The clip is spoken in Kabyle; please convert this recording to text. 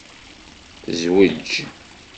Tezweǧ?